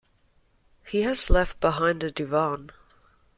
He has left behind a divan.